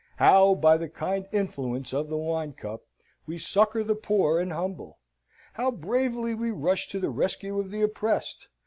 How, by the kind influence of the wine cup, we succour the poor and humble! How bravely we rush to the rescue of the oppressed!